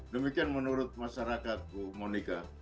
demikian menurut masyarakat bu monika